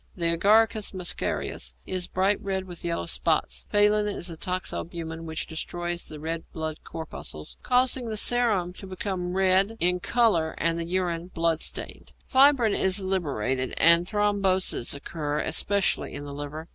The Agaricus muscarius is bright red with yellow spots. Phallin is a toxalbumin which destroys the red blood corpuscles, causing the serum to become red in colour and the urine blood stained. Fibrin is liberated, and thromboses occur, especially in the liver.